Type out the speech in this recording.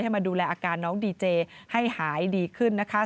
มาดูแลอาการน้องดีเจให้หายดีขึ้นนะคะ